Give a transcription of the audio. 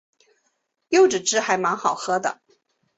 柚子汁还蛮好喝的